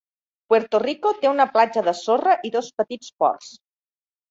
Puerto Rico té una platja de sorra i dos petits ports.